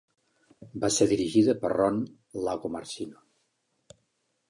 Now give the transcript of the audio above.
Va ser dirigida per Ron Lagomarsino.